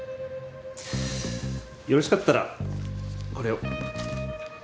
よろしかったらこれを。